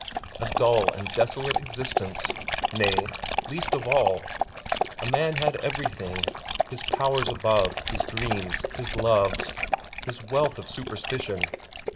A dull and desolate existence? Nay, least of all. A man had everything; his powers above, his dreams, his loves, his wealth of superstition.